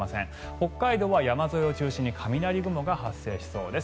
北海道は山沿いを中心に雷雲が発生しそうです。